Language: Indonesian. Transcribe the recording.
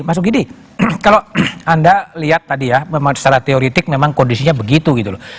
mas ukidi kalau anda lihat tadi ya secara teoretik memang kondisinya begitu gitu loh